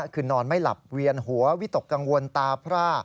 คือนอนไม่หลับเวียนหัววิตกกังวลตาพร่า